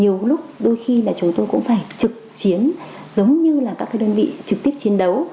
nhiều lúc đôi khi là chúng tôi cũng phải trực chiến giống như là các đơn vị trực tiếp chiến đấu